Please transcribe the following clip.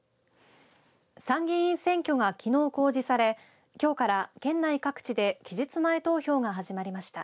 参議院選挙がきのう公示されきょうから県内各地で期日前投票が始まりました。